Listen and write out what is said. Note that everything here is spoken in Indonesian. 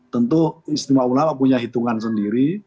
tentu istimewa ulama punya hitungan sendiri